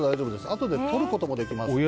あとでとることもできます。